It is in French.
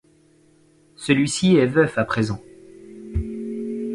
Celui-ci est veuf à présent.